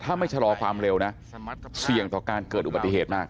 ถ้าไม่ชะลอความเร็วนะเสี่ยงต่อการเกิดอุบัติเหตุมาก